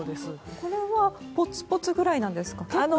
これはポツポツくらいですか？